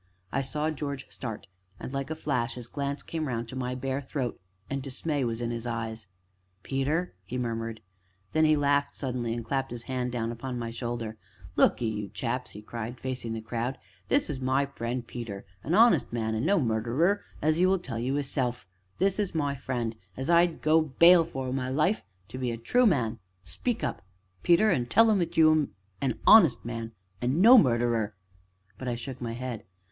I saw George start, and, like a flash, his glance came round to my bare throat, and dismay was in his eyes. "Peter?" he murmured; then he laughed suddenly and clapped his hand down upon my shoulder. "Look 'ee, you chaps," he cried, facing the crowd, "this is my friend Peter an honest man an' no murderer, as 'e will tell ye 'isself this is my friend as I'd go bail for wi' my life to be a true man; speak up, Peter, an' tell 'em as you 'm an honest man an' no murderer." But I shook my head.